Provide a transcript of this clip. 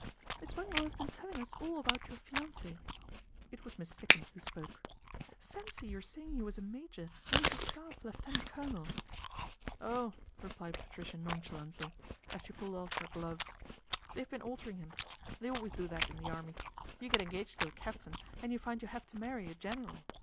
" Miss Wangle has been telling us all about your fiance"." It was Miss Sikkum who spoke. " Fancy your saying he was a major when he's a Staff lieutenant colonel." " Oh !" replied Patricia nonchalantly, as she ADVENTURE AT THE QUADRANT 41 pulled off her gloves, " they've been altering him. They always do that in the Army. You get engaged to a captain and you find you have to marry a general.